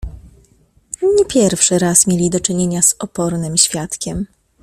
"Nie pierwszy raz mieli do czynienia z opornym świadkiem."